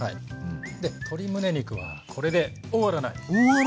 で鶏むね肉はこれで終わらない。